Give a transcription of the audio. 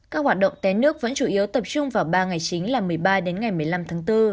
các hoạt động té nước vẫn chủ yếu tập trung vào ba ngày chính là một mươi ba đến ngày một mươi năm tháng bốn